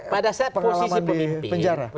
pada saat posisi di penjara